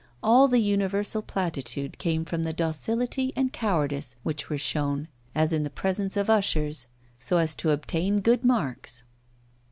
All the universal platitude came from the docility and cowardice which were shown, as in the presence of ushers, so as to obtain good marks.